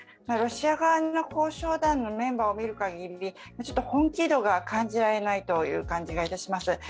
ロシア側の交渉団のメンバーを見るかぎり本気度が感じられないという感じがいたします